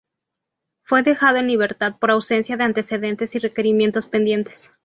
Fue dejado en libertad por ausencia de antecedentes y requerimientos pendientes.